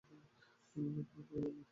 দুদিন ধরে তোমার কোন খবর নেই।